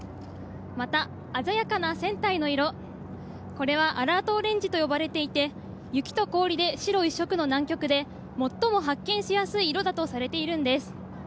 また、鮮やかな船体の色これはアラートオレンジと呼ばれていて雪と氷で白一色の南極で最も発見しやすい色だとされているんです。